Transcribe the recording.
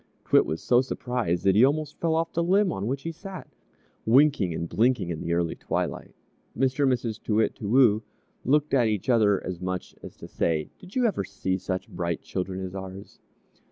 _" T'wit was so surprised that he almost fell off the limb on which he sat, winking and blinking in the early twilight. Mr. and Mrs. Too Wit, Too Woo looked at each other as much as to say, "Did you ever see such bright children as ours?"